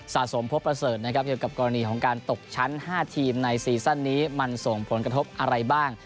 สมพบประเสริฐนะครับเกี่ยวกับกรณีของการตกชั้น๕ทีมในซีซั่นนี้มันส่งผลกระทบอะไรบ้าง